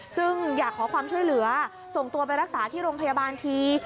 ซึ่งอยากขอความช่วยเหลือส่งตัวไปรักษาที่โรงพยาบาลที